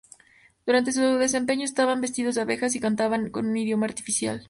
Durante su desempeño estaban vestidos de abejas y cantaban en un idioma artificial.